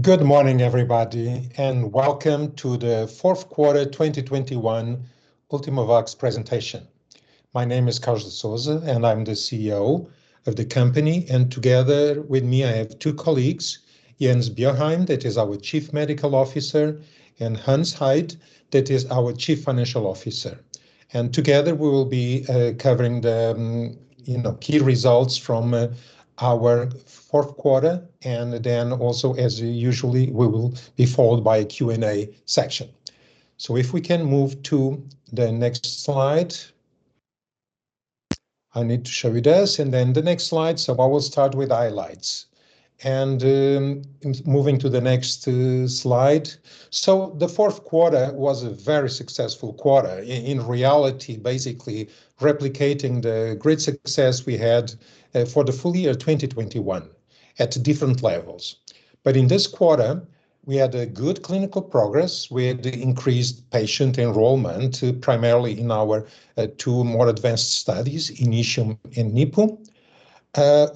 Good morning, everybody, and welcome to the fourth quarter 2021 Ultimovacs presentation. My name is Carlos de Sousa, and I'm the CEO of the company, and together with me I have two colleagues, Jens Bjørheim, that is our Chief Medical Officer, and Hans Vassgård Eid, that is our Chief Financial Officer. Together we will be covering the key results from our fourth quarter and then also, as usually, we will be followed by a Q&A section. If we can move to the next slide. I need to show you this and then the next slide. I will start with highlights. Moving to the next slide. The fourth quarter was a very successful quarter. In reality basically replicating the great success we had for the full year 2021 at different levels. In this quarter we had a good clinical progress. We had increased patient enrollment, primarily in our two more advanced studies, INITIUM and NIPU.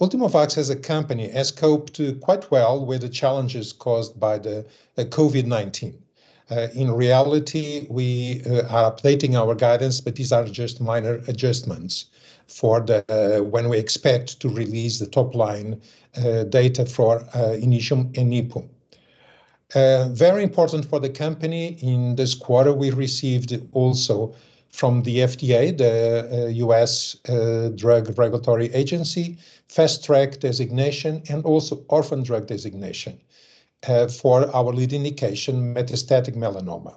Ultimovacs as a company has coped quite well with the challenges caused by the COVID-19. In reality we are updating our guidance, but these are just minor adjustments for when we expect to release the top line data for INITIUM and NIPU. Very important for the company in this quarter we received also from the FDA, the US drug regulatory agency, Fast Track Designation and also Orphan Drug Designation for our lead indication metastatic melanoma.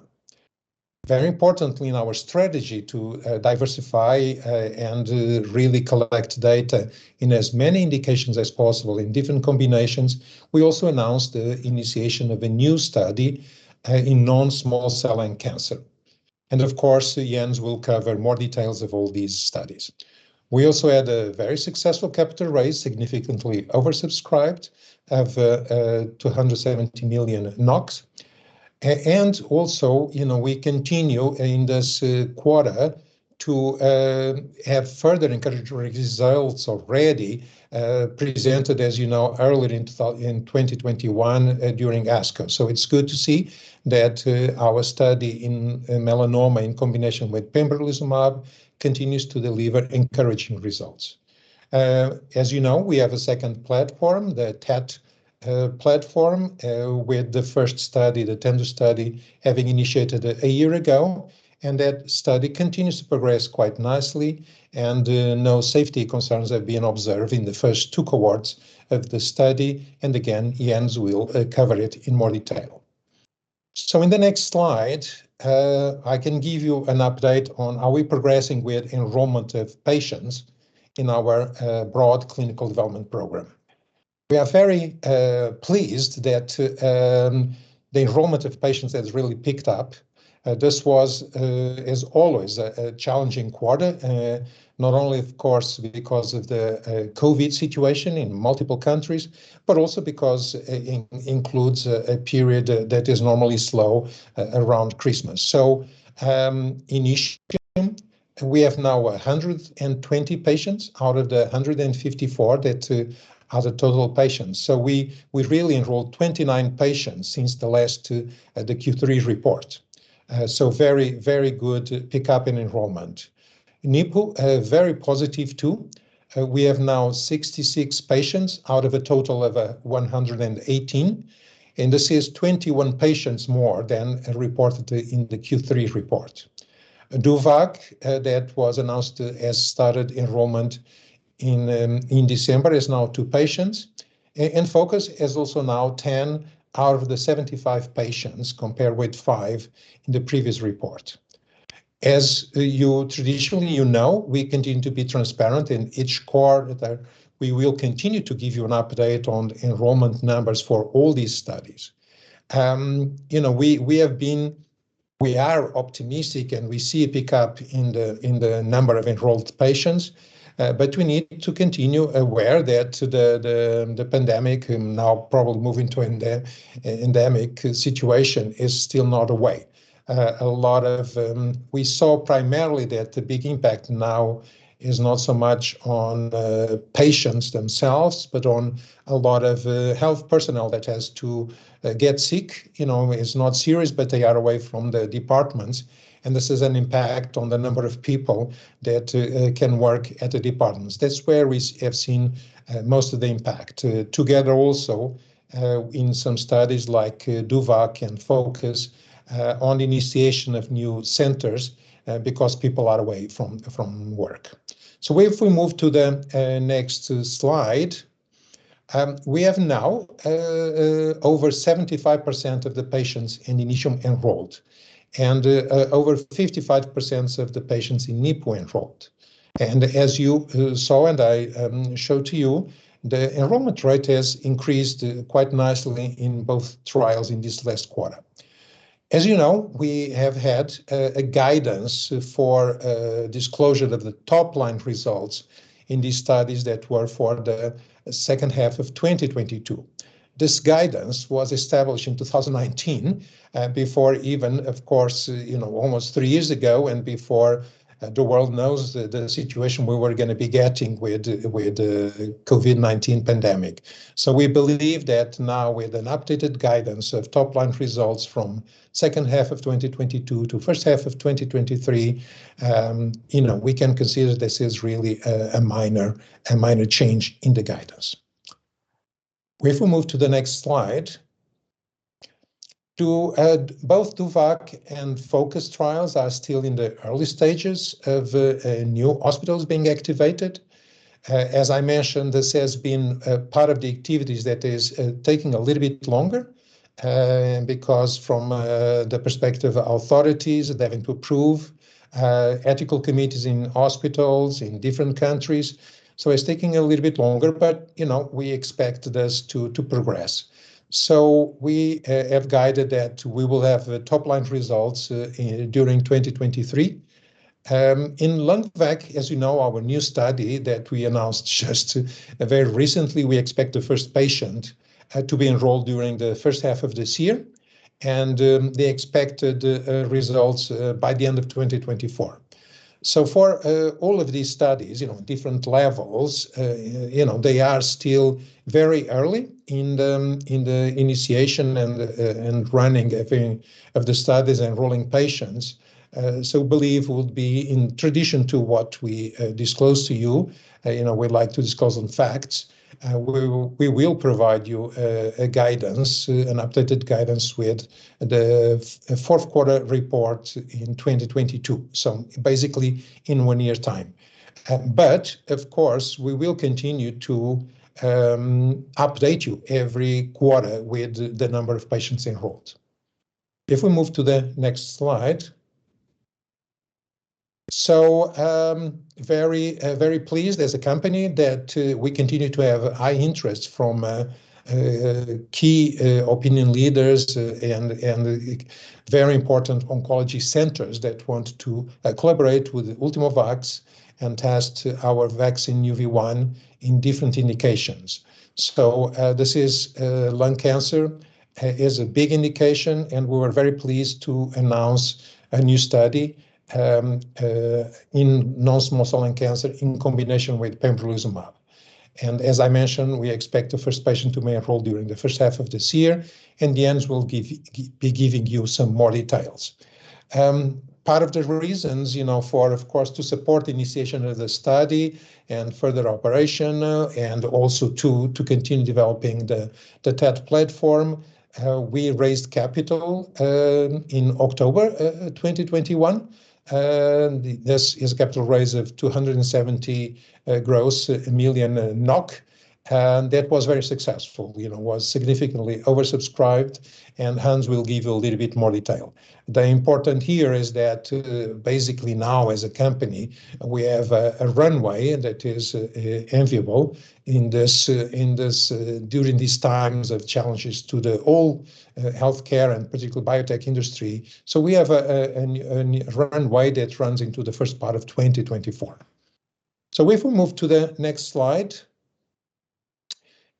Very important in our strategy to diversify and really collect data in as many indications as possible in different combinations. We also announced the initiation of a new study in non-small cell lung cancer. Of course, Jens will cover more details of all these studies. We also had a very successful capital raise, significantly oversubscribed of 270 million NOK. You know, we continue in this quarter to have further encouraging results already presented as you know earlier in 2021 during ASCO. It's good to see that our study in melanoma in combination with pembrolizumab continues to deliver encouraging results. As you know, we have a second platform, the TET platform, with the first study, the TENDU study, having initiated a year ago, and that study continues to progress quite nicely and no safety concerns have been observed in the first two cohorts of the study. Again, Jens will cover it in more detail. In the next slide, I can give you an update on are we progressing with enrollment of patients in our broad clinical development program. We are very pleased that the enrollment of patients has really picked up. This is always a challenging quarter, not only of course because of the COVID situation in multiple countries, but also because includes a period that is normally slow around Christmas. INITIUM we have now 120 patients out of the 154 that are the total patients. We really enrolled 29 patients since the last the Q3 report. Very good pick up in enrollment. NIPU are very positive too. We have now 66 patients out of a total of 118, and this is 21 patients more than are reported in the Q3 report. DOVACC, that was announced as started enrollment in December, is now two patients. And FOCUS is also now 10 out of the 75 patients compared with five in the previous report. As you traditionally know, we continue to be transparent. In each quarter we will continue to give you an update on enrollment numbers for all these studies. You know, we are optimistic and we see a pickup in the number of enrolled patients, but we need to continue aware that the pandemic and now probably moving to endemic situation is still not over. We saw primarily that the big impact now is not so much on the patients themselves, but on a lot of health personnel that has to get sick. You know, it's not serious, but they are away from the departments and this has an impact on the number of people that can work at the departments. That's where we have seen most of the impact, together also in some studies like DOVACC and FOCUS on initiation of new centers because people are away from work. If we move to the next slide. We have now over 75% of the patients in INITIUM enrolled and over 55% of the patients in NIPU enrolled. As you saw and I showed to you, the enrollment rate has increased quite nicely in both trials in this last quarter. As you know, we have had a guidance for disclosure of the top line results in these studies that were for the second half of 2022. This guidance was established in 2019, before even, of course, you know, almost three years ago, and the world knows the situation we were gonna be getting with the COVID-19 pandemic. We believe that now with an updated guidance of top line results from second half of 2022 to first half of 2023, you know, we can consider this is really a minor change in the guidance. If we move to the next slide. Both DOVACC and FOCUS trials are still in the early stages of new hospitals being activated. As I mentioned, this has been a part of the activities that is taking a little bit longer because from the perspective of authorities, they're having to approve ethical committees in hospitals in different countries, so it's taking a little bit longer, but you know, we expect this to progress. We have guided that we will have top-line results during 2023. In LUNGVAC, as you know, our new study that we announced just very recently, we expect the first patient to be enrolled during the first half of this year, and the expected results by the end of 2024. For all of these studies, you know, different levels, you know, they are still very early in the initiation and running of the studies enrolling patients. We believe it will be in addition to what we disclose to you. You know, we like to disclose only facts. We will provide you a guidance, an updated guidance with the fourth quarter report in 2022, so basically in one year time. Of course, we will continue to update you every quarter with the number of patients enrolled. If we move to the next slide. Very pleased as a company that we continue to have high interest from key opinion leaders and very important oncology centers that want to collaborate with Ultimovacs and test our vaccine UV1 in different indications. This is lung cancer is a big indication, and we were very pleased to announce a new study in non-small cell lung cancer in combination with pembrolizumab. As I mentioned, we expect the first patient may enroll during the first half of this year, and Jens will be giving you some more details. Part of the reasons, you know, of course to support initiation of the study and further operation and also to continue developing the TET platform we raised capital in October 2021. This is a capital raise of 270 gross million, and that was very successful. You know, it was significantly oversubscribed, and Hans will give a little bit more detail. The important here is that, basically now as a company we have a new runway that is enviable in this during these times of challenges to the whole healthcare and particularly biotech industry. We have a new runway that runs into the first part of 2024. If we move to the next slide.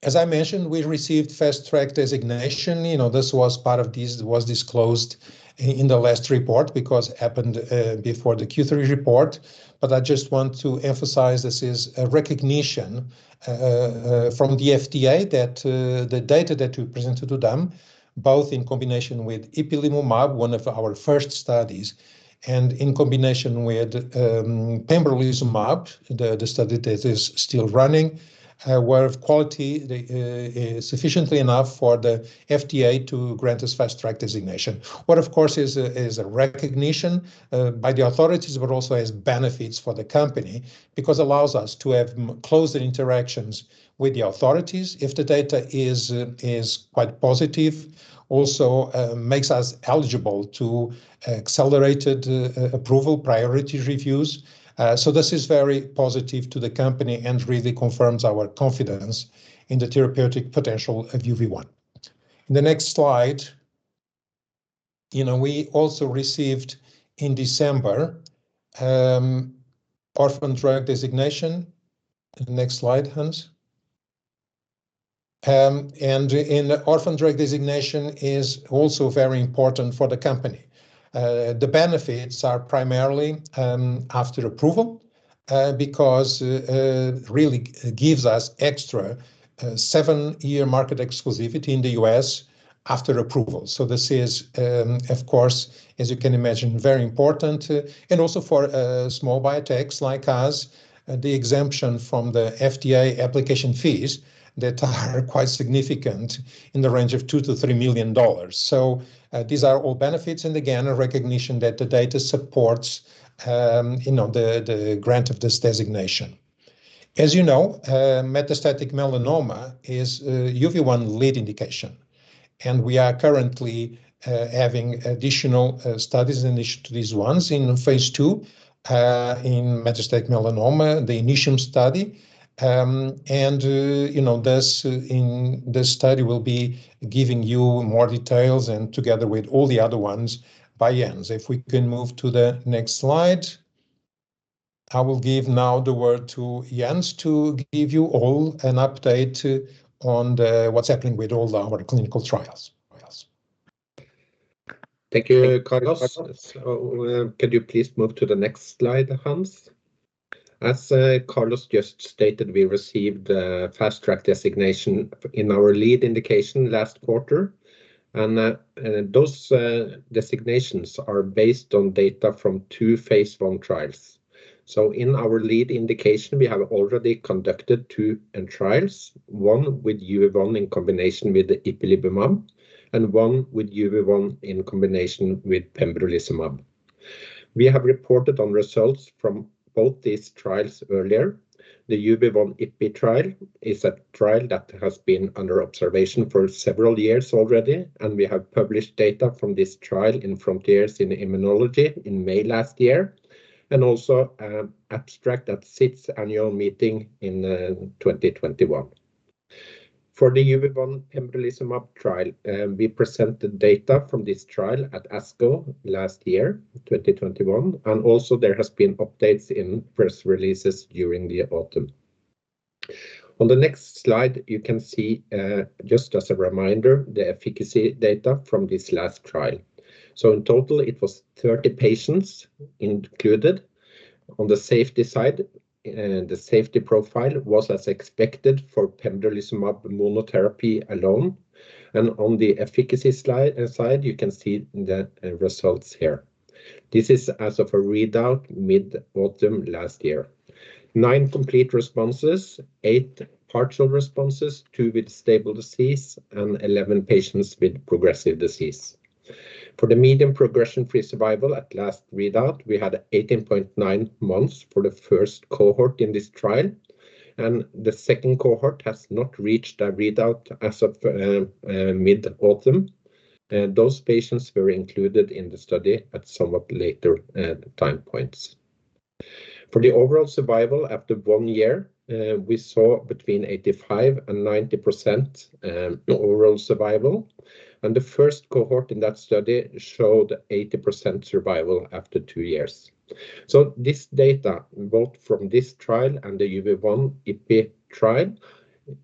As I mentioned, we received Fast Track Designation. You know, this was part of this, was disclosed in the last report because it happened before the Q3 report, but I just want to emphasize this is a recognition from the FDA that the data that we presented to them, both in combination with ipilimumab, one of our first studies, and in combination with pembrolizumab, the study that is still running, were of sufficient quality for the FDA to grant us Fast Track Designation. What, of course, is a recognition by the authorities but also has benefits for the company because it allows us to have closer interactions with the authorities if the data is quite positive. Also, makes us eligible for accelerated approval priority reviews. This is very positive to the company and really confirms our confidence in the therapeutic potential of UV1. The next slide. You know, we also received in December Orphan Drug Designation. The next slide, Hans. Orphan Drug Designation is also very important for the company. The benefits are primarily after approval because really gives us extra seven-year market exclusivity in the U.S. after approval. This is, of course, as you can imagine, very important. Also for small biotechs like us, the exemption from the FDA application fees that are quite significant in the range of $2 million-$3 million. These are all benefits and again, a recognition that the data supports, you know, the grant of this designation. As you know, metastatic melanoma is UV1 lead indication, and we are currently having additional studies in each of these ones in phase II in metastatic melanoma, the INITIUM study. You know, in this study will be giving you more details and together with all the other ones by Jens. If we can move to the next slide. I will give now the word to Jens to give you all an update on what's happening with all our clinical trials. Thank you, Carlos. Could you please move to the next slide, Hans? As Carlos just stated, we received a Fast Track Designation in our lead indication last quarter, and those designations are based on data from two phase I trials. In our lead indication, we have already conducted two IND trials, one with UV1 in combination with the ipilimumab and one with UV1 in combination with pembrolizumab. We have reported on results from both these trials earlier. The UV1-ipi trial is a trial that has been under observation for several years already, and we have published data from this trial in Frontiers in Immunology in May last year, and also an abstract at SITC's annual meeting in 2021. For the UV1 pembrolizumab trial, we presented data from this trial at ASCO last year, 2021, and also there has been updates in press releases during the autumn. On the next slide, you can see, just as a reminder, the efficacy data from this last trial. In total it was 30 patients included. On the safety side, the safety profile was as expected for pembrolizumab monotherapy alone. On the efficacy slide, you can see the results here. This is as of a readout mid-autumn last year. nine complete responses, eight partial responses, two with stable disease, and 11 patients with progressive disease. For the median progression-free survival at last readout, we had 18.9 months for the first cohort in this trial, and the second cohort has not reached a readout as of mid-autumn. Those patients were included in the study at somewhat later time points. For the overall survival after 1 year, we saw between 85% and 90% overall survival, and the first cohort in that study showed 80% survival after two years. This data, both from this trial and the UV1-ipi trial,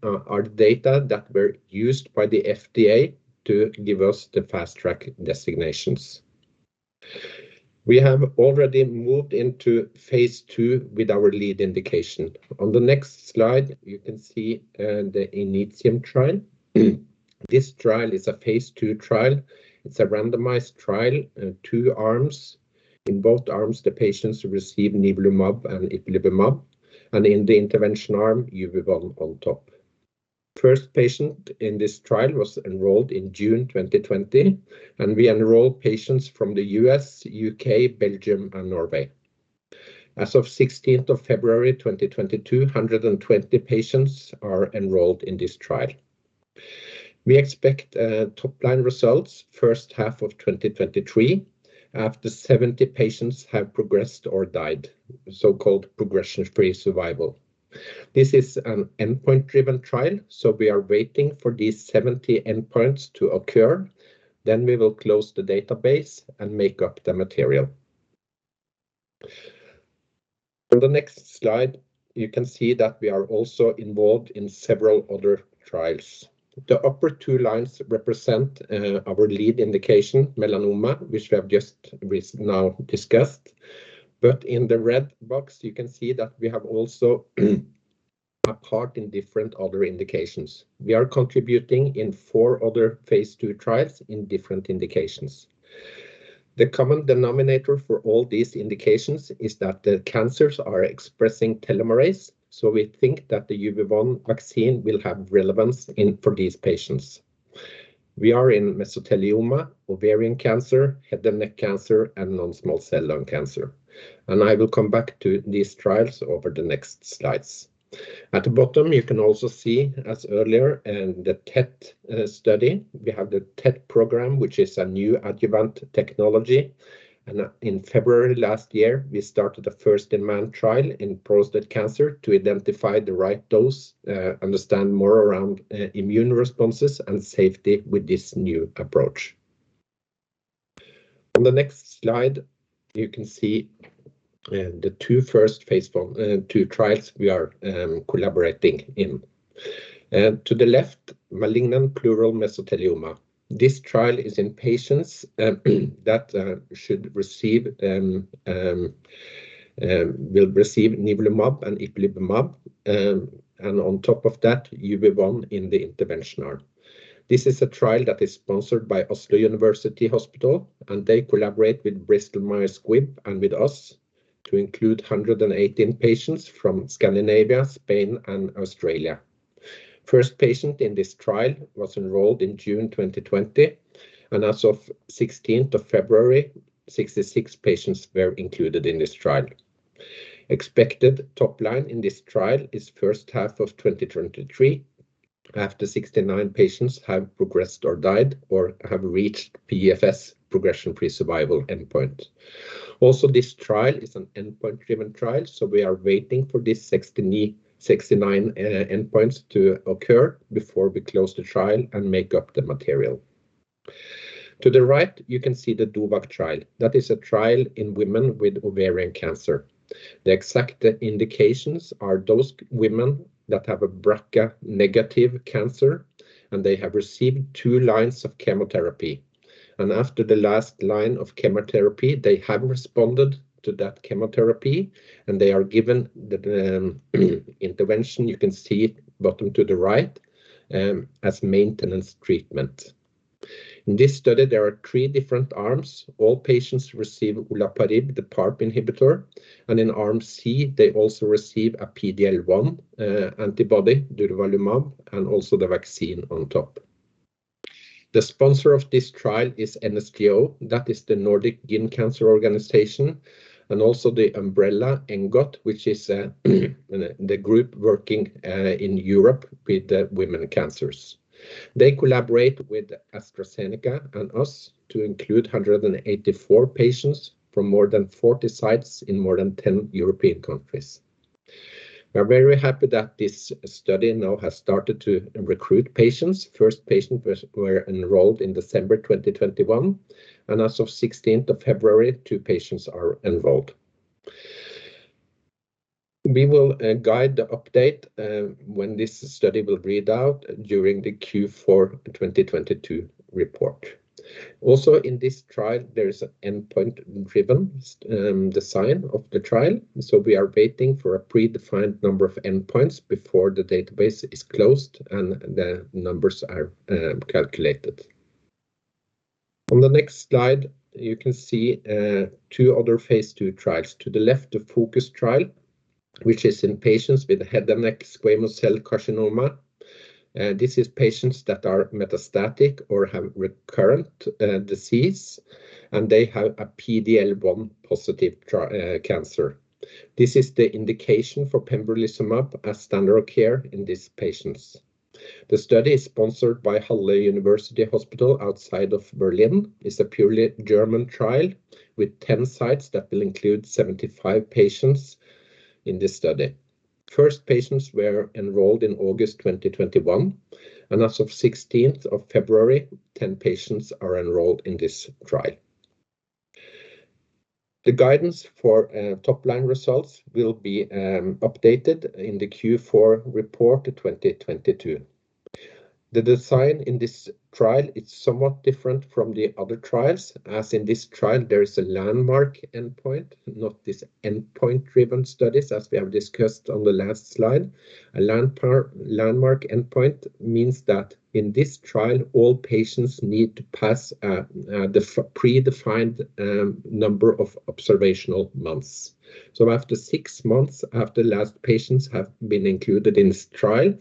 are data that were used by the FDA to give us the Fast Track designations. We have already moved into phase II with our lead indication. On the next slide you can see the INITIUM trial. This trial is a phase II trial. It's a randomized trial, two arms. In both arms the patients receive nivolumab and ipilimumab, and in the intervention arm UV1 on top. First patient in this trial was enrolled in June 2020, and we enroll patients from the U.S., U.K., Belgium, and Norway. As of 16th of February 2022, 120 patients are enrolled in this trial. We expect top-line results first half of 2023 after 70 patients have progressed or died, so-called progression-free survival. This is an endpoint-driven trial, so we are waiting for these 70 endpoints to occur, then we will close the database and make up the material. On the next slide you can see that we are also involved in several other trials. The upper two lines represent our lead indication, melanoma, which we have just now discussed. In the red box you can see that we have also a part in different other indications. We are contributing in four other phase II trials in different indications. The common denominator for all these indications is that the cancers are expressing telomerase, so we think that the UV1 vaccine will have relevance in. for these patients. We are in mesothelioma, ovarian cancer, head and neck cancer, and non-small cell lung cancer, and I will come back to these trials over the next slides. At the bottom you can also see, as earlier in the TET study, we have the TET program, which is a new adjuvant technology, and in February last year we started the first-in-man trial in prostate cancer to identify the right dose, understand more around immune responses and safety with this new approach. On the next slide you can see the two first phase I, II trials we are collaborating in. To the left, malignant pleural mesothelioma. This trial is in patients that will receive nivolumab and ipilimumab, and on top of that UV1 in the intervention arm. This is a trial that is sponsored by Oslo University Hospital, and they collaborate with Bristol Myers Squibb and with us to include 118 patients from Scandinavia, Spain, and Australia. First patient in this trial was enrolled in June 2020, and as of 16th of February, 66 patients were included in this trial. Expected top line in this trial is first half of 2023 after 69 patients have progressed, or died, or have reached PFS, progression-free survival endpoint. This trial is an endpoint-driven trial, so we are waiting for these 69 endpoints to occur before we close the trial and make up the material. To the right, you can see the DOVACC trial. That is a trial in women with ovarian cancer. The exact indications are those women that have a BRCA negative cancer, and they have received two lines of chemotherapy. After the last line of chemotherapy, they haven't responded to that chemotherapy, and they are given the intervention. You can see it bottom to the right as maintenance treatment. In this study, there are three different arms. All patients receive olaparib, the PARP inhibitor, and in arm C, they also receive a PDL1 antibody, durvalumab, and also the vaccine on top. The sponsor of this trial is NSGO, that is the Nordic Society of Gynaecological Oncology, and also the umbrella, ENGOT, which is the group working in Europe with the women cancers. They collaborate with AstraZeneca and us to include 184 patients from more than 40 sites in more than 10 European countries. We are very happy that this study now has started to recruit patients. First patient were enrolled in December 2021, and as of 16th of February, two patients are enrolled. We will guide the update when this study will read out during the Q4 2022 report. Also in this trial, there is an endpoint-driven design of the trial, so we are waiting for a predefined number of endpoints before the database is closed and the numbers are calculated. On the next slide, you can see two other phase II trials. To the left, the FOCUS trial, which is in patients with head and neck squamous cell carcinoma. This is patients that are metastatic or have recurrent disease, and they have a PDL1 positive cancer. This is the indication for pembrolizumab as standard of care in these patients. The study is sponsored by University Hospital Halle (Saale) outside of Berlin. It's a purely German trial with 10 sites that will include 75 patients in this study. First patients were enrolled in August 2021, and as of 16th of February, 10 patients are enrolled in this trial. The guidance for top-line results will be updated in the Q4 2022 report. The design in this trial is somewhat different from the other trials, as in this trial there is a landmark endpoint, not these endpoint-driven studies as we have discussed on the last slide. A landmark endpoint means that in this trial, all patients need to pass a predefined number of observational months. After six months, after last patients have been included in this trial,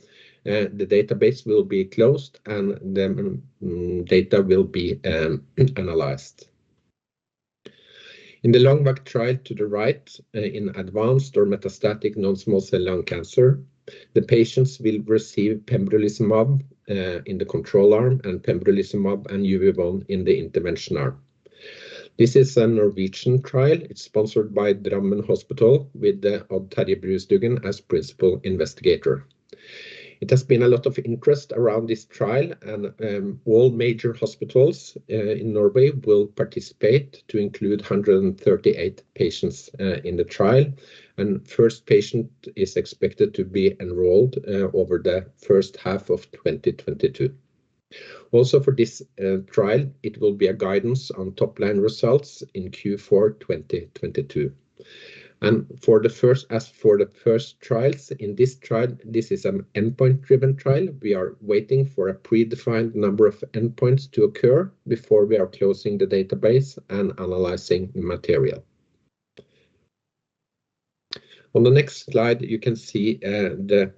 the database will be closed and the data will be analyzed. In the LUNGVAC trial to the right, in advanced or metastatic non-small cell lung cancer, the patients will receive pembrolizumab in the control arm, and pembrolizumab and UV1 in the interventional arm. This is a Norwegian trial. It's sponsored by Drammen Hospital with Terje Brustugun as principal investigator. It has been a lot of interest around this trial and all major hospitals in Norway will participate to include 138 patients in the trial, and first patient is expected to be enrolled over the first half of 2022. Also for this trial, it will be a guidance on top-line results in Q4 2022. As for the first trials, in this trial, this is an endpoint-driven trial. We are waiting for a predefined number of endpoints to occur before we are closing the database and analyzing material. On the next slide, you can see the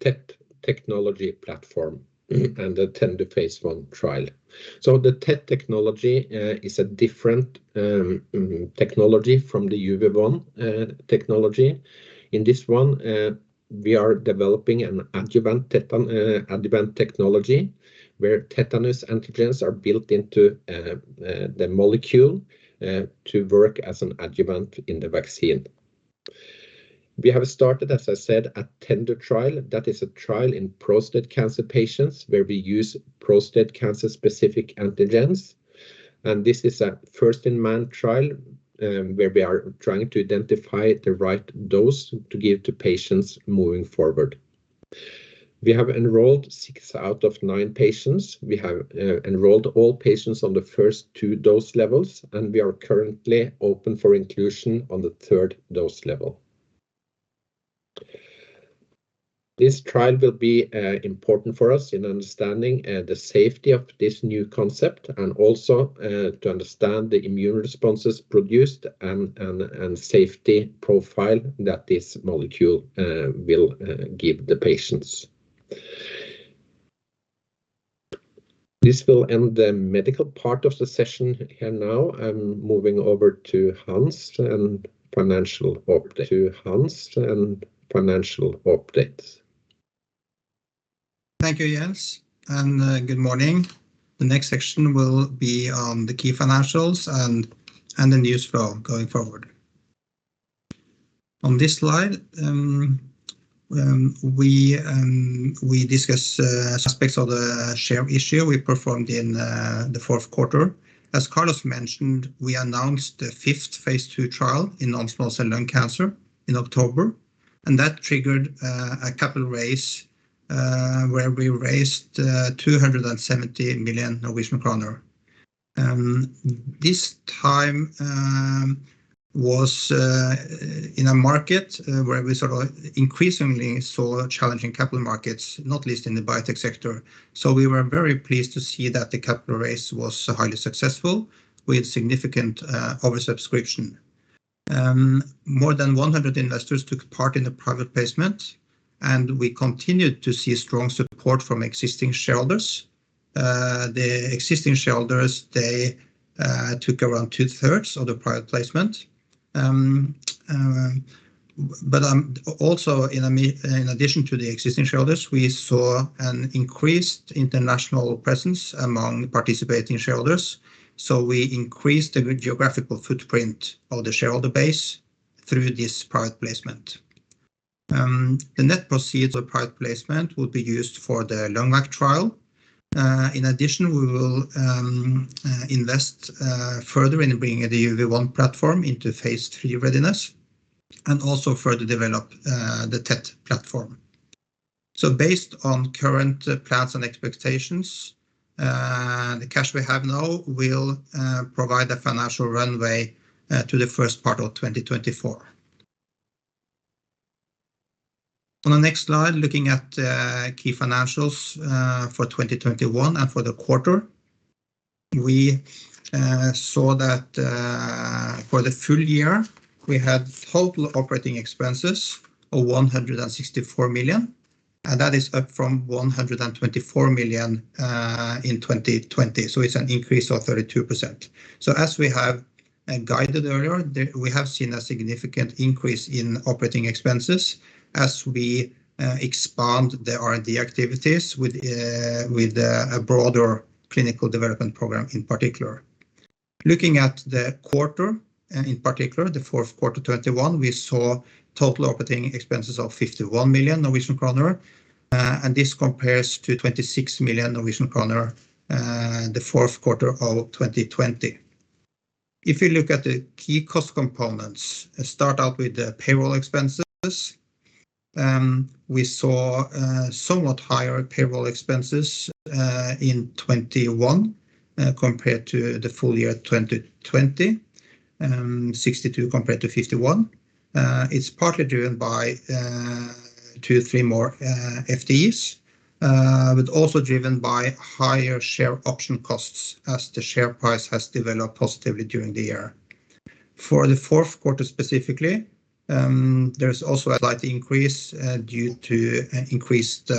TET technology platform and the TENDU phase I trial. The TET technology is a different technology from the UV1 technology. In this one, we are developing an adjuvant tetanus adjuvant technology where tetanus antigens are built into the molecule to work as an adjuvant in the vaccine. We have started, as I said, a TENDU trial. That is a trial in prostate cancer patients where we use prostate cancer-specific antigens, and this is a first in man trial where we are trying to identify the right dose to give to patients moving forward. We have enrolled six out of nine patients. We have enrolled all patients on the first two dose levels, and we are currently open for inclusion on the third dose level. This trial will be important for us in understanding the safety of this new concept and also to understand the immune responses produced and safety profile that this molecule will give the patients. This will end the medical part of the session here now. I'm moving over to Hans and financial update. Thank you, Jens, and good morning. The next section will be on the key financials and the news flow going forward. On this slide, we discuss aspects of the share issue we performed in the fourth quarter. As Carlos mentioned, we announced the fifth phase II trial in non-small cell lung cancer in October, and that triggered a capital raise where we raised 270 million Norwegian kroner. This time was in a market where we sort of increasingly saw challenging capital markets, not least in the biotech sector. We were very pleased to see that the capital raise was highly successful with significant oversubscription. More than 100 investors took part in the private placement, and we continued to see strong support from existing shareholders. The existing shareholders, they took around two-thirds of the private placement. But also in addition to the existing shareholders, we saw an increased international presence among participating shareholders, so we increased the geographical footprint of the shareholder base through this private placement. The net proceeds of private placement will be used for the LUNGVAC trial. In addition, we will invest further in bringing the UV1 platform into phase III readiness and also further develop the TET platform. Based on current plans and expectations, the cash we have now will provide a financial runway to the first part of 2024. On the next slide, looking at key financials for 2021 and for the quarter. We saw that for the full year, we had total operating expenses of 164 million, and that is up from 124 million in 2020, so it's an increase of 32%. As we have guided earlier, we have seen a significant increase in operating expenses as we expand the R&D activities with a broader clinical development program in particular. Looking at the quarter, in particular the fourth quarter 2021, we saw total operating expenses of 51 million Norwegian kroner, and this compares to 26 million Norwegian kroner, the fourth quarter of 2020. If you look at the key cost components, start out with the payroll expenses. We saw somewhat higher payroll expenses in 2021 compared to the full year 2020, 62 million compared to 51 million. It's partly driven by two, three more FTEs, but also driven by higher share option costs as the share price has developed positively during the year. For the fourth quarter specifically, there's also a slight increase due to increased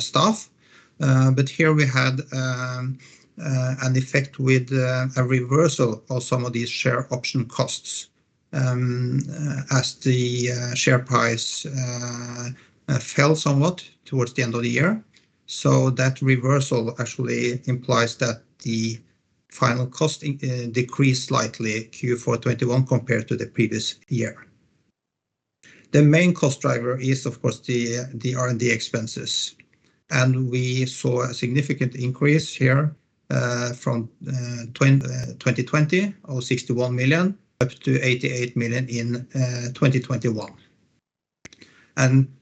staff, but here we had an effect with a reversal of some of these share option costs, as the share price fell somewhat towards the end of the year. That reversal actually implies that the final cost decreased slightly Q4 2021 compared to the previous year. The main cost driver is of course the R&D expenses, and we saw a significant increase here, from 2020 of 61 million up to 88 million in 2021.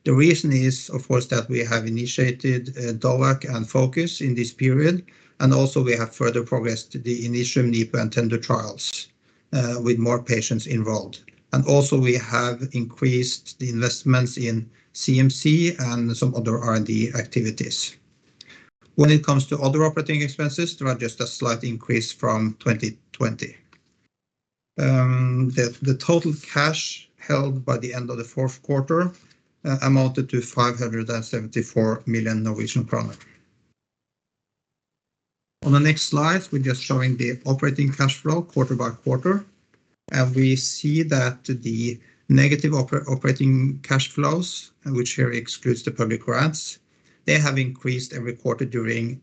The reason is of course that we have initiated DOVACC and FOCUS in this period, and also we have further progressed the INITIUM, NIPU, and TENDU trials with more patients involved. We have increased the investments in CMC and some other R&D activities. When it comes to other operating expenses, there is just a slight increase from 2020. The total cash held by the end of the fourth quarter amounted to 574 million Norwegian kroner. On the next slide, we're just showing the operating cash flow quarter by quarter. We see that the negative operating cash flows, which here excludes the public grants, have increased every quarter during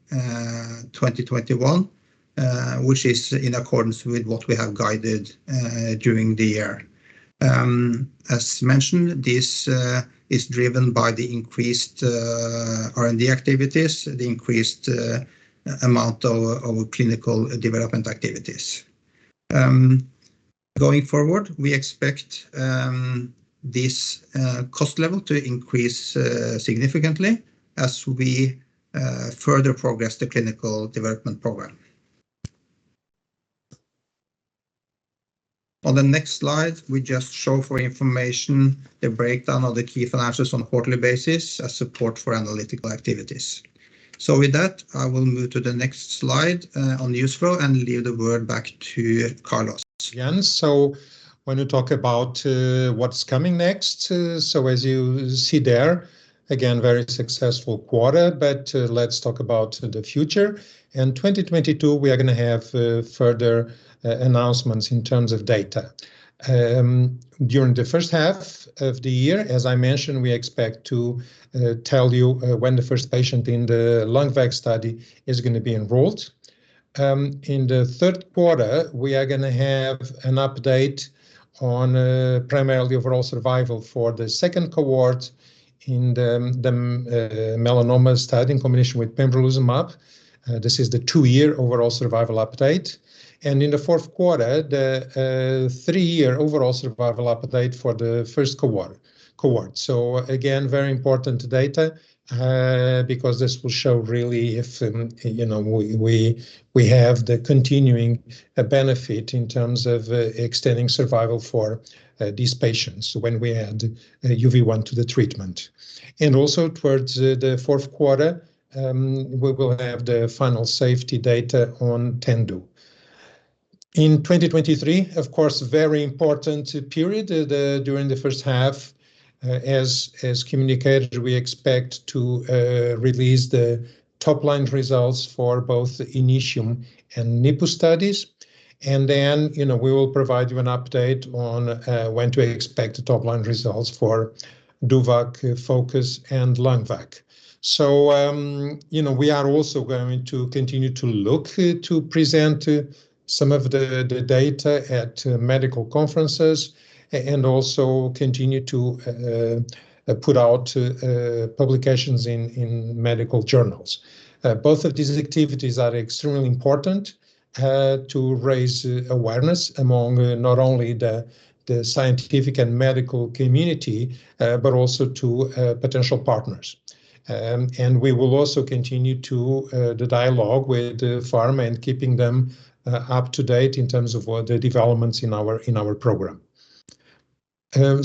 2021, which is in accordance with what we have guided during the year. As mentioned, this is driven by the increased R&D activities, the increased amount of clinical development activities. Going forward, we expect this cost level to increase significantly as we further progress the clinical development program. On the next slide, we just show for information the breakdown of the key financials on a quarterly basis as support for analytical activities. With that, I will move to the next slide on the news flow and leave the word back to Carlos. Jens, so When you talk about what's coming next, so as you see there, again, very successful quarter, but let's talk about the future. In 2022, we are gonna have further announcements in terms of data. During the first half of the year, as I mentioned, we expect to tell you when the first patient in the LUNGVAC study is gonna be enrolled. In the third quarter, we are gonna have an update on primarily overall survival for the second cohort in the melanoma study in combination with pembrolizumab. This is the two-year overall survival update. In the fourth quarter, the three-year overall survival update for the first cohort. Again, very important data, because this will show really if, you know, we have the continuing benefit in terms of extending survival for these patients when we add UV1 to the treatment. Also towards the fourth quarter, we will have the final safety data on TENDU. In 2023, of course, very important period, during the first half, as communicated, we expect to release the top line results for both INITIUM and NIPU studies. Then, you know, we will provide you an update on when to expect the top line results for DOVACC, FOCUS, and LUNGVAC. You know, we are also going to continue to look to present some of the data at medical conferences and also continue to put out publications in medical journals. Both of these activities are extremely important to raise awareness among not only the scientific and medical community but also to potential partners. We will also continue the dialogue with the pharma and keeping them up to date in terms of what the developments in our program.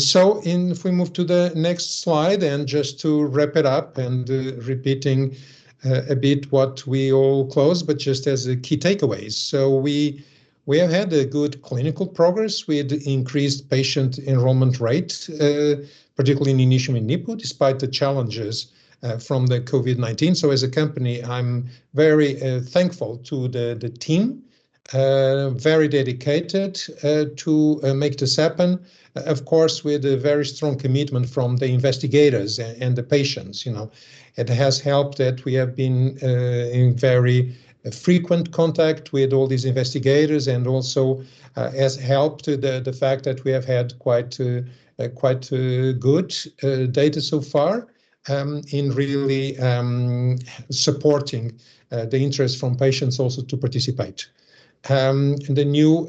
If we move to the next slide and just to wrap it up, repeating a bit what we already closed, but just as key takeaways. We have had a good clinical progress. We had increased patient enrollment rate, particularly in INITIUM and NIPU, despite the challenges from the COVID-19. As a company, I'm very thankful to the team, very dedicated to make this happen. Of course, with a very strong commitment from the investigators and the patients, you know. It has helped that we have been in very frequent contact with all these investigators, and also has helped the fact that we have had quite good data so far in really supporting the interest from patients also to participate. The new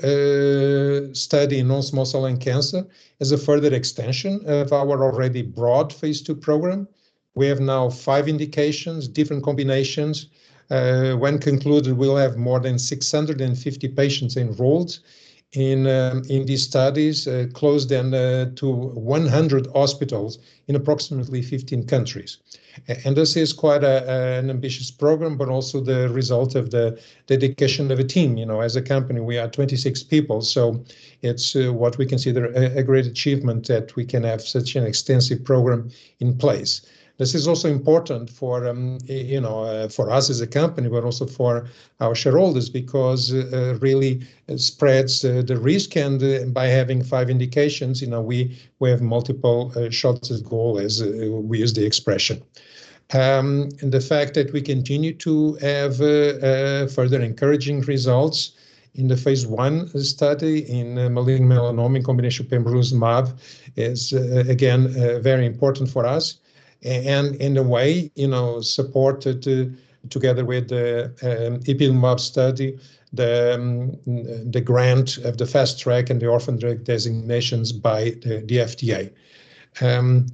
study in non-small cell lung cancer is a further extension of our already broad phase II program. We have now five indications, different combinations. When concluded, we'll have more than 650 patients enrolled in these studies, close to 100 hospitals in approximately 15 countries. This is quite an ambitious program, but also the result of the dedication of a team. You know, as a company, we are 26 people, so it's what we consider a great achievement that we can have such an extensive program in place. This is also important for you know, for us as a company, but also for our shareholders because really it spreads the risk and by having 5 indications, you know, we have multiple shots at goal as we use the expression. The fact that we continue to have further encouraging results in the phase I study in malignant melanoma in combination with pembrolizumab is again very important for us and in a way, you know, supported together with the ipilimumab study, the grant of the Fast Track and the Orphan Drug Designations by the FDA.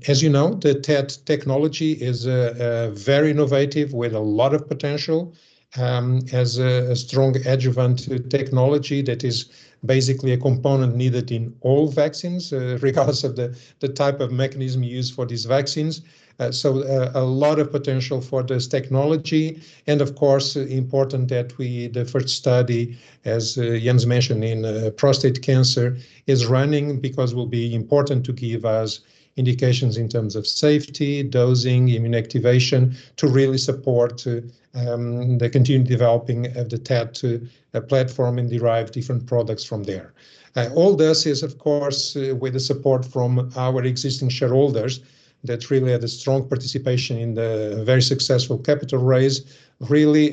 As you know, the TET technology is very innovative with a lot of potential, has a strong adjuvant technology that is basically a component needed in all vaccines, regardless of the type of mechanism used for these vaccines. A lot of potential for this technology and of course important that we, the first study, as Jens mentioned in prostate cancer, is running because will be important to give us indications in terms of safety, dosing, immune activation to really support the continued developing of the TET platform and derive different products from there. All this is, of course, with the support from our existing shareholders that really had a strong participation in the very successful capital raise, really,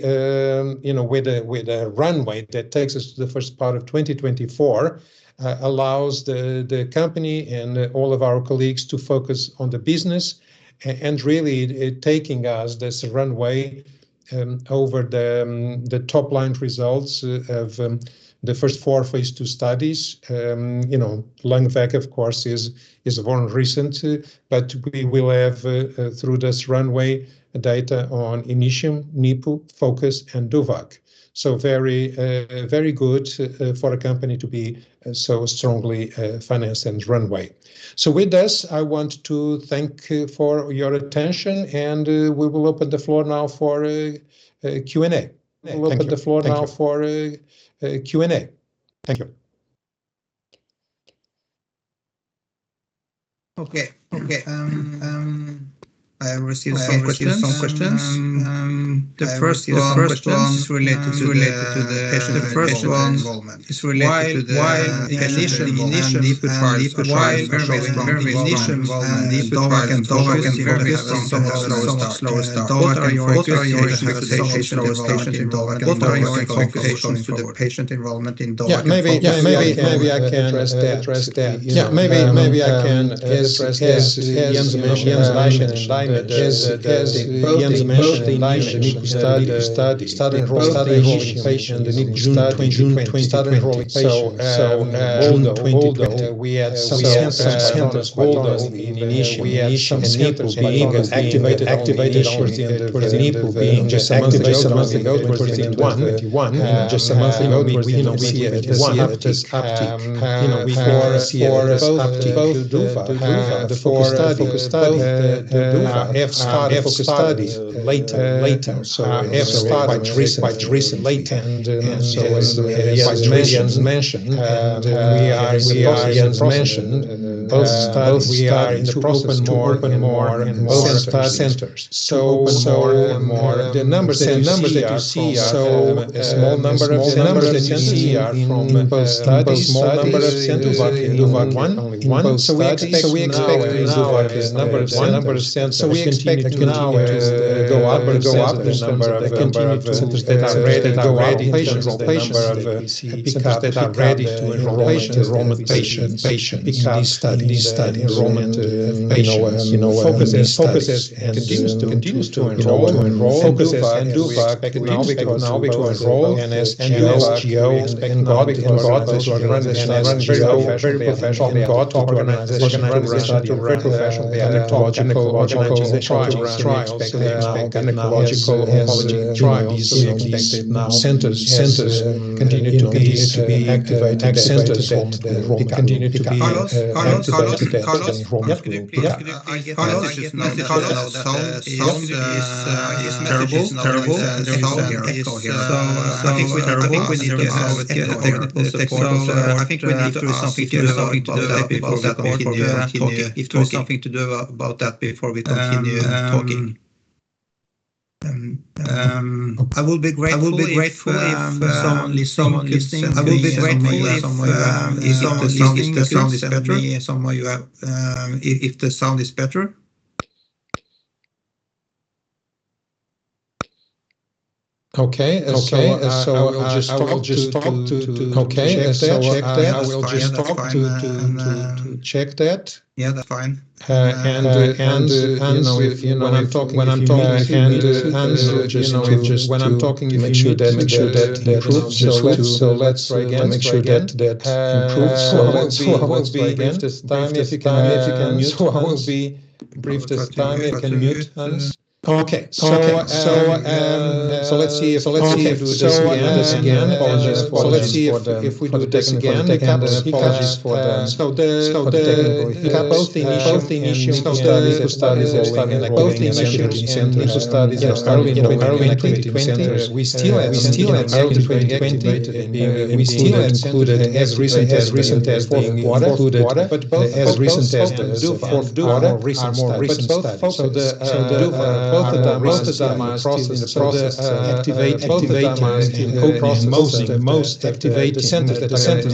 you know, with a runway that takes us to the first part of 2024, allows the company and all of our colleagues to focus on the business and really it taking us this runway over the top line results of the first four phase II studies. You know, LUNGVAC, of course, is one recent, but we will have, through this runway, data on INITIUM, NIPU, FOCUS, and DOVACC. Very, very good for a company to be so strongly financed and runway. With this, I want to thank you for your attention, and we will open the floor now for a Q&A. Thank you. Thank you. We'll open the floor now for a Q&A. Thank you. Okay. I have received some questions. The first one is related to the patient involvement. Why INITIUM and NIPU trials are showing very strong involvement and DOVACC and FOCUS even on some slower start? What are your expectations to the patient involvement and DOVACC and FOCUS going forward? Yeah, maybe I can address that. Yeah. As Jens mentioned and as Jens mentioned, the INITIUM study started enrolling patients in June 2020. Although we had some centers quite early in INITIUM and NIPU being activated only towards the end of 2021, you know, we didn't see an uptick for both the DOVACC, the FOCUS study, have started later. It was quite recent. As Jens mentioned, we are in the process to open more and more centers. The numbers that you see are from a small number of centers in both studies. In DOVACC, we have only one. We expect now the number of centers will continue to go up in terms of the number of centers that are ready to enroll patients that we see picked up in the enrollment of patients in these studies. You know, FOCUS continues to enroll and DOVACC we expect now because the NSGO organization is very professionally organized to run gynecological oncology trials. We expect that now as these centers continue to be activated that the enrollment will Carlos. Yeah. I get the message now that the sound is terrible. I think we need to ask for technical support if there is something to do about that before we continue talking. I will be grateful if someone listening could send me some way if the sound is better. Okay. I will just talk to check that. Yeah, that's fine. You know, when I'm talking, if you maybe could, you know, just to make sure that that improves. Let's try again. I will be brief this time. If you can mute, Hans. Okay. Let's see if we can do this again. Apologies for the technical hiccups. Both INITIUM and NIPU studies are enrolling in centers. These studies are enrolling in 2020. We still have centers that are going to be activated and being included as recently as the fourth quarter. Both of them, DOVACC, are more recent studies. Both of them are in the process of activating and enrolling the centers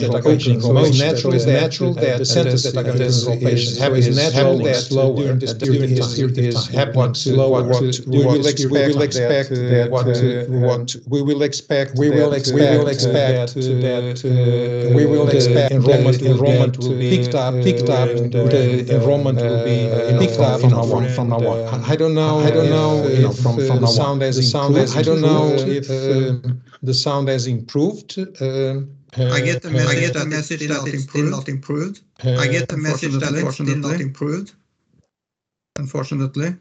that are going to enroll patients. It's natural that the centers that are going to enroll patients is happening slower during this period of time. We will expect that the enrollment will be picked up and, you know, from now on. I don't know if the sound has improved. I get the message that it did not improve, unfortunately.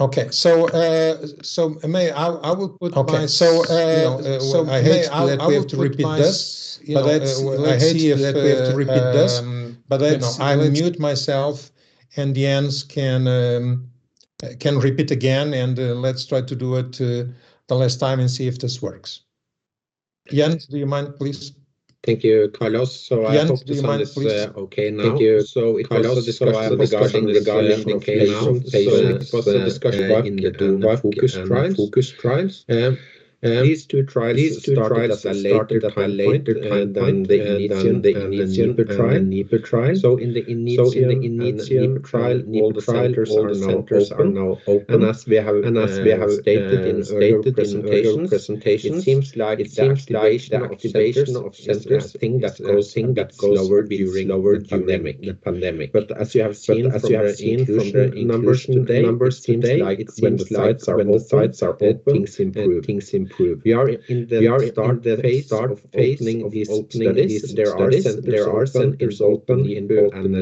You know, I hate that we have to repeat this, but let's see if, you know, I mute myself and Jens can repeat again, and let's try to do it the last time and see if this works. Jens, do you mind, please? Thank you, Carlos. I hope the sound is okay now. If I also discuss regarding the inclusion of patients in the DOVACC and FOCUS trials. These two trials started at a later time point than the INITIUM and the NIPU trial. In the INITIUM and NIPU trial, all the centers are now open. As we have stated in earlier presentations, it seems like the activation of centers is a thing that goes a bit slower during the pandemic. As you have seen from the inclusion numbers today, it seems like when the sites are open, things improve. We are in the start phase of opening these studies. There are centers open in both the NIPU and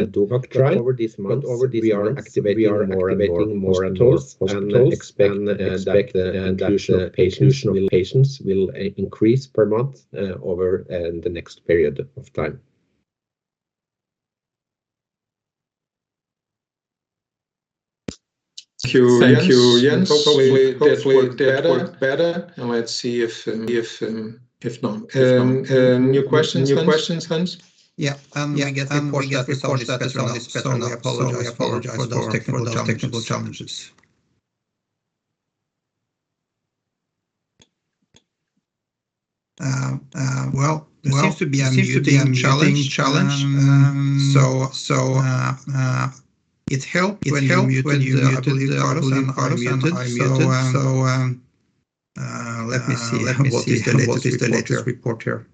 the DOVACC trial. Over these months, we are activating more and more hospitals and expect that the inclusion of patients will increase per month over the next period of time. Thank you, Jens. Hopefully that worked better. Let's see if not. New questions, Jens? Yeah. I guess the report is that the sound is better now, so we apologize for those technical challenges. Well, there seems to be a muting challenge. It helps when you mute. I believe Carlos and I muted. Let me see what the latest report is here.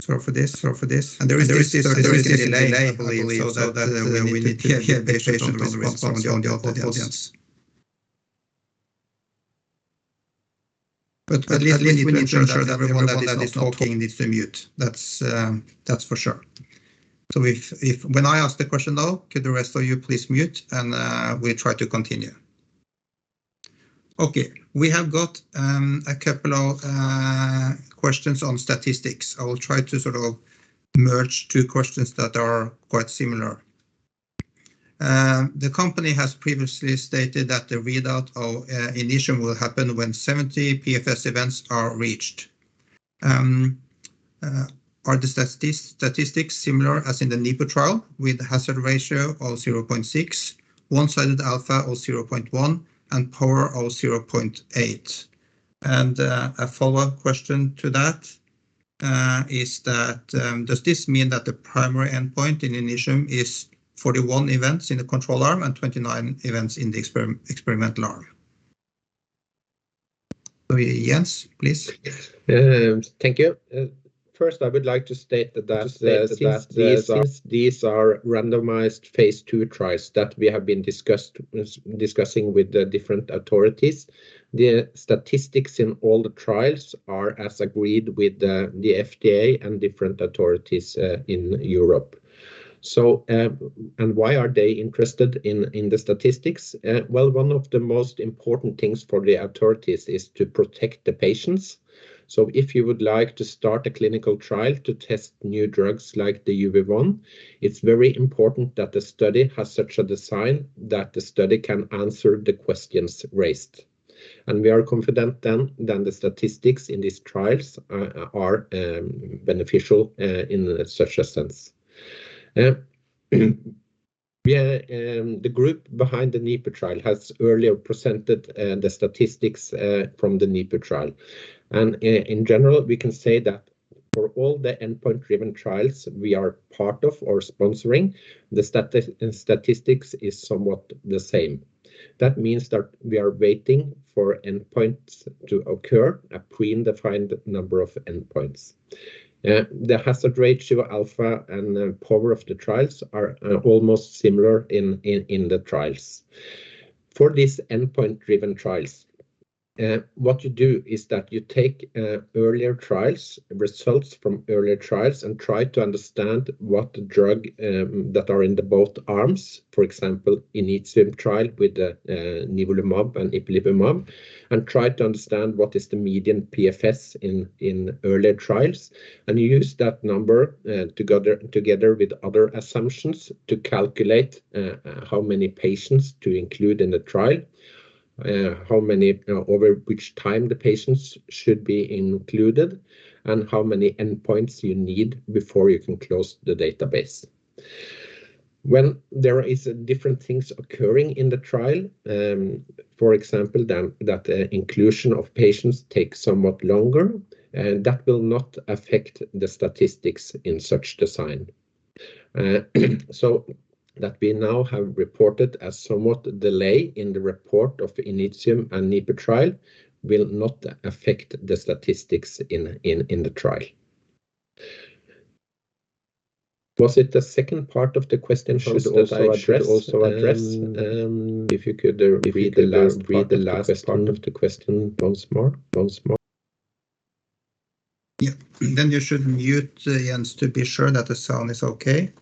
Sorry for this. There is this delay I believe, so that we need to be patient with the response from the audience. At least we need to ensure that everyone who is not talking needs to mute. That's for sure. If when I ask the question now, could the rest of you please mute and we try to continue. Okay. We have got a couple of questions on statistics. I will try to sort of merge two questions that are quite similar. The company has previously stated that the readout of INITIUM will happen when 70 PFS events are reached. Are the statistics similar as in the NIPU trial with hazard ratio of 0.6, one-sided alpha of 0.1, and power of 0.8? And, a follow-up question to that, does this mean that the primary endpoint in INITIUM is 41 events in the control arm and 29 events in the experimental arm? Jens, please. Thank you. First I would like to state that since these are randomized phase II trials that we have been discussing with the different authorities, the statistics in all the trials are as agreed with the FDA and different authorities in Europe. Why are they interested in the statistics? Well, one of the most important things for the authorities is to protect the patients. If you would like to start a clinical trial to test new drugs like the UV1, it's very important that the study has such a design that the study can answer the questions raised. We are confident then that the statistics in these trials are beneficial in such a sense. The group behind the NIPU trial has earlier presented the statistics from the NIPU trial. In general, we can say that for all the endpoint-driven trials we are part of or sponsoring, the statistics is somewhat the same. That means that we are waiting for endpoints to occur, a predefined number of endpoints. The hazard ratio alpha and the power of the trials are almost similar in the trials. For these endpoint-driven trials, what you do is that you take results from earlier trials and try to understand what drug that are in the both arms. For example, INITIUM trial with nivolumab and ipilimumab, and try to understand what is the median PFS in earlier trials. You use that number, together with other assumptions to calculate, how many patients to include in the trial, over which time the patients should be included, and how many endpoints you need before you can close the database. When there is different things occurring in the trial, for example, then that the inclusion of patients takes somewhat longer, that will not affect the statistics in such design. So that we now have reported a somewhat delay in the report of INITIUM and NIPU trial will not affect the statistics in the trial. Was it the second part of the question should I also address? If you could read the last part of the question once more. You should mute, Jens, to be sure that the sound is okay.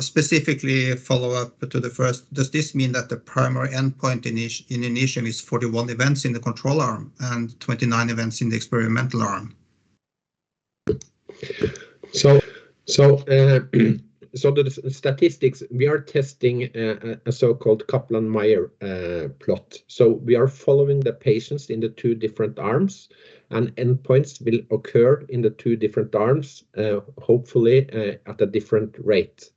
Specifically a follow-up to the first, does this mean that the primary endpoint in INITIUM is 41 events in the control arm and 29 events in the experimental arm? The statistics we are testing a so-called Kaplan-Meier plot. We are following the patients in the two different arms, and endpoints will occur in the two different arms, hopefully, at a different rate.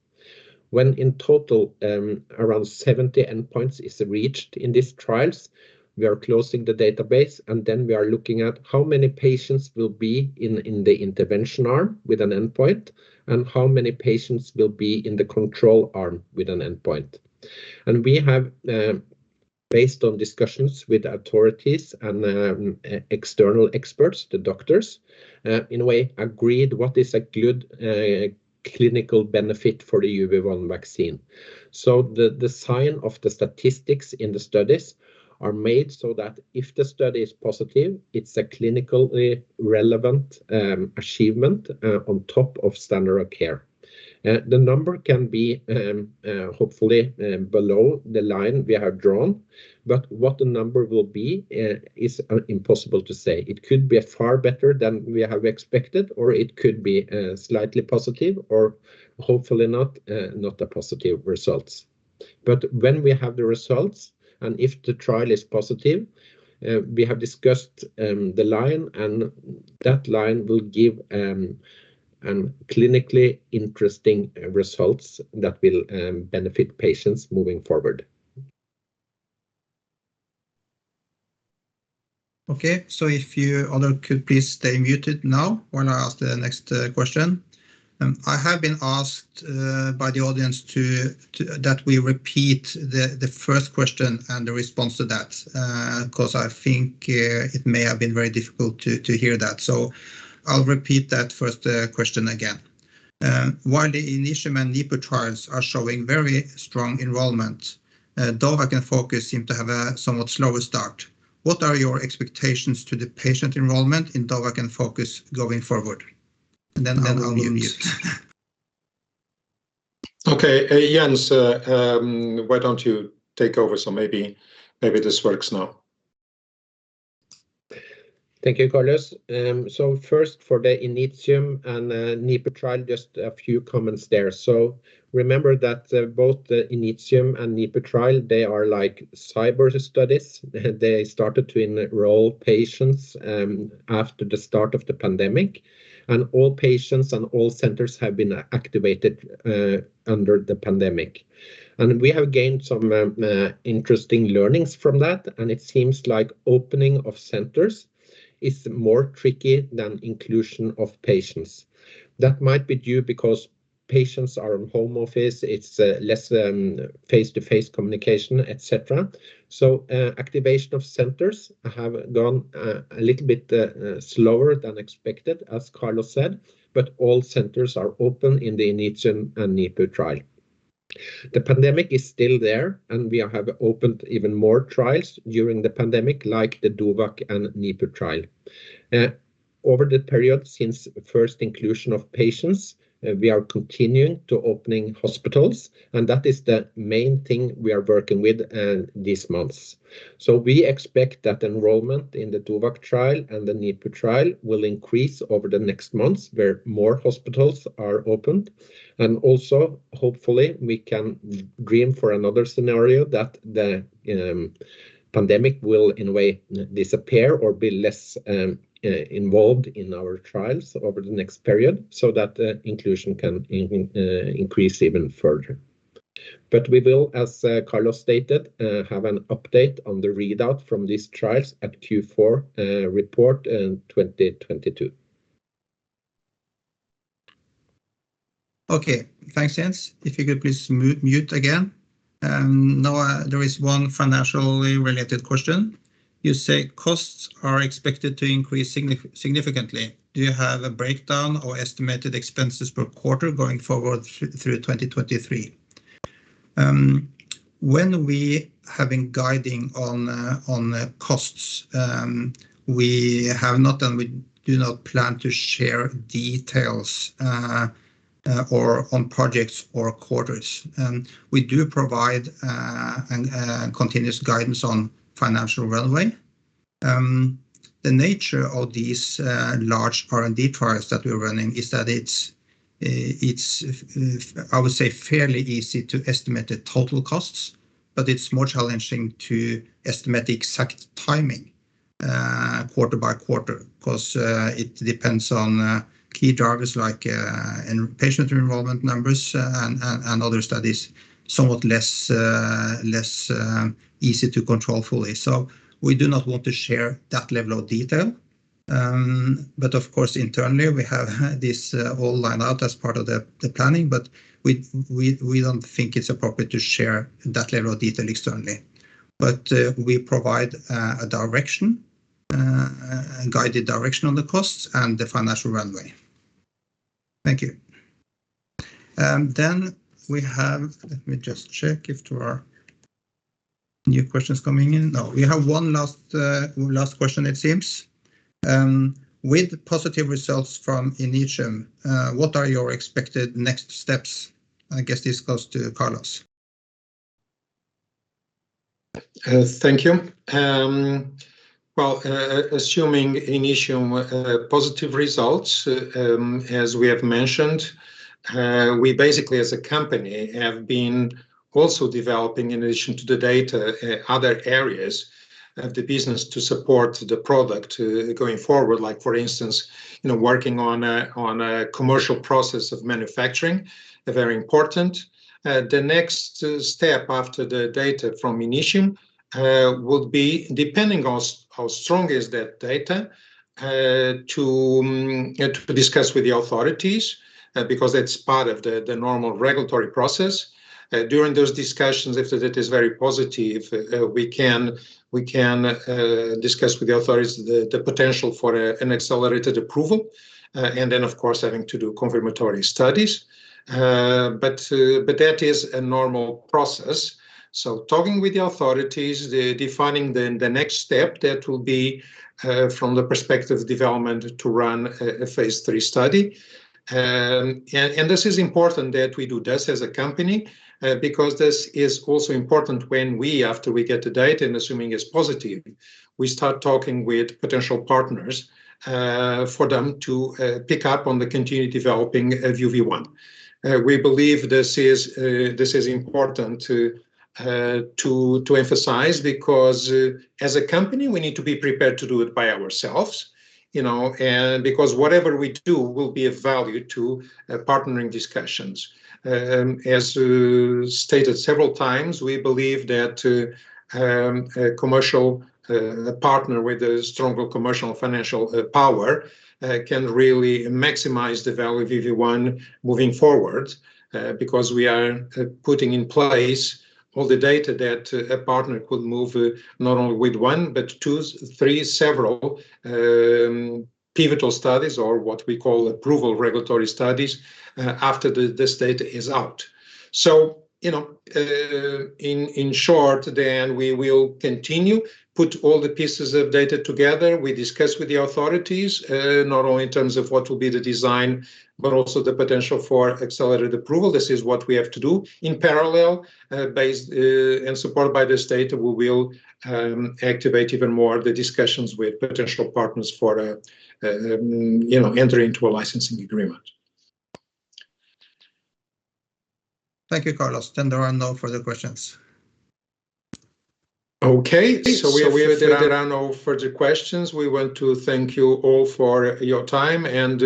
When in total, around 70 endpoints is reached in these trials, we are closing the database, and then we are looking at how many patients will be in the intervention arm with an endpoint, and how many patients will be in the control arm with an endpoint. We have, based on discussions with authorities and external experts, the doctors, in a way agreed what is a good clinical benefit for the UV1 vaccine. The sign of the statistics in the studies are made so that if the study is positive, it's a clinically relevant achievement on top of standard of care. The number can be hopefully below the line we have drawn, but what the number will be is impossible to say. It could be far better than we have expected, or it could be slightly positive or hopefully not a positive results. When we have the results, and if the trial is positive, we have discussed the line, and that line will give clinically interesting results that will benefit patients moving forward. Okay, if you all could please stay muted now when I ask the next question. I have been asked by the audience to repeat the first question and the response to that, 'cause I think it may have been very difficult to hear that. I'll repeat that first question again. While the INITIUM and NIPU trials are showing very strong enrollment, DOVACC and FOCUS seem to have a somewhat slower start. What are your expectations to the patient enrollment in DOVACC and FOCUS going forward? And then I'll mute. Okay. Jens, why don't you take over so maybe this works now. Thank you, Carlos. So first for the INITIUM and NIPU trial, just a few comments there. Remember that both the INITIUM and NIPU trial, they are like pivotal studies. They started to enroll patients after the start of the pandemic. All patients and all centers have been activated under the pandemic. We have gained some interesting learnings from that, and it seems like opening of centers is more tricky than inclusion of patients. That might be due because patients are on home office. It's less face-to-face communication, et cetera. Activation of centers have gone a little bit slower than expected, as Carlos said, but all centers are open in the INITIUM and NIPU trial. The pandemic is still there, and we have opened even more trials during the pandemic, like the DOVACC and NIPU trial. Over the period since first inclusion of patients, we are continuing to opening hospitals, and that is the main thing we are working with these months. We expect that enrollment in the DOVACC trial and the NIPU trial will increase over the next months where more hospitals are opened, and also hopefully we can dream for another scenario that the pandemic will in a way disappear or be less involved in our trials over the next period, so that inclusion can increase even further. We will, as Carlos stated, have an update on the readout from these trials at Q4 report in 2022. Okay. Thanks, Jens. If you could please mute again. Now, there is one financially related question. You say costs are expected to increase significantly. Do you have a breakdown or estimated expenses per quarter going forward through 2023? When we have been guiding on costs, we have not and we do not plan to share details or on projects or quarters. We do provide continuous guidance on financial runway. The nature of these large R&D trials that we're running is that it's fairly easy to estimate the total costs, but it's more challenging to estimate the exact timing quarter by quarter, 'cause it depends on key drivers like patient enrollment numbers, and other studies somewhat less easy to control fully. We do not want to share that level of detail. Of course, internally we have this all lined out as part of the planning, but we don't think it's appropriate to share that level of detail externally. We provide a direction, a guided direction on the costs and the financial runway. Thank you. We have. Let me just check if there are new questions coming in. No. We have one last question, it seems. With positive results from INITIUM, what are your expected next steps? I guess this goes to Carlos. Thank you. Well, assuming INITIUM positive results, as we have mentioned, we basically as a company have been also developing in addition to the data, other areas of the business to support the product going forward. Like for instance, you know, working on a commercial process of manufacturing, very important. The next step after the data from INITIUM would be depending on how strong is that data, to discuss with the authorities, because that's part of the normal regulatory process. During those discussions, if the data is very positive, we can discuss with the authorities the potential for an accelerated approval. Then of course having to do confirmatory studies. That is a normal process. Talking with the authorities, defining then the next step that will be from the perspective development to run a phase III study. This is important that we do this as a company, because this is also important when we, after we get the data, and assuming it's positive, we start talking with potential partners, for them to pick up on the continue developing of UV1. We believe this is, this is important to emphasize because, as a company we need to be prepared to do it by ourselves, you know, and because whatever we do will be of value to partnering discussions. As stated several times, we believe that a commercial partner with a stronger commercial financial power can really maximize the value of UV1 moving forward. Because we are putting in place all the data that a partner could move, not only with one, but two, three, several pivotal studies, or what we call approval regulatory studies, after this data is out. You know, in short then we will continue, put all the pieces of data together, we discuss with the authorities, not only in terms of what will be the design, but also the potential for accelerated approval. This is what we have to do. In parallel, based and supported by this data, we will activate even more the discussions with potential partners for, you know, enter into a licensing agreement. Thank you, Carlos. There are no further questions. Okay. If there are no further questions, we want to thank you all for your time, and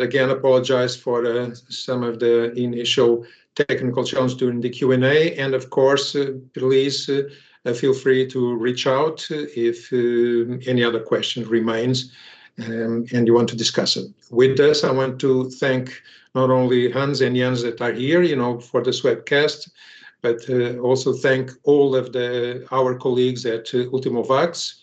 again apologize for some of the initial technical challenges during the Q&A. Of course, please feel free to reach out if any other question remains, and you want to discuss it. With this I want to thank not only Hans and Jens that are here, you know, for this webcast, but also thank all of our colleagues at Ultimovacs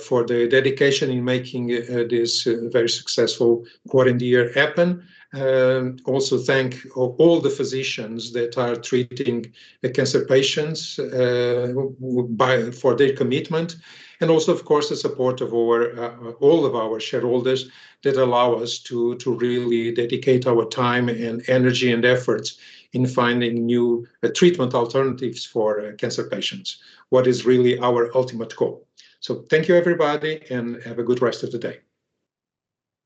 for their dedication in making this very successful quarantine year happen. I also thank all the physicians that are treating the cancer patients for their commitment, and also of course the support of all of our shareholders that allow us to really dedicate our time and energy and efforts in finding new treatment alternatives for cancer patients, what is really our ultimate goal. Thank you everybody, and have a good rest of the day.